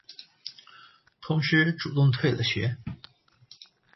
同时主动退了学。